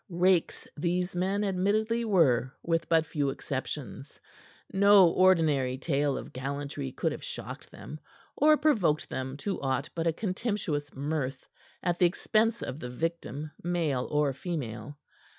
Rakes these men admittedly were with but few exceptions. No ordinary tale of gallantry could have shocked them, or provoked them to aught but a contemptuous mirth at the expense of the victim, male or female.